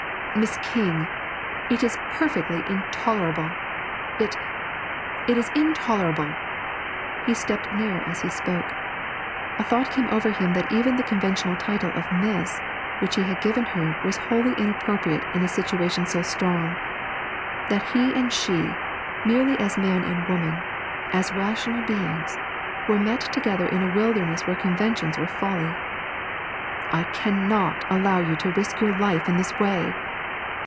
Miss King! It is perfectly intolerable! It it is intolerable!' He stepped nearer as he spoke. A thought came over him that even the conventional title of 'Miss' which he had given her was wholly inappropriate in a situation so strong that he and she, merely as man and woman, as rational beings, were met together in a wilderness where conventions were folly. 'I cannot allow you to risk your life in this way.'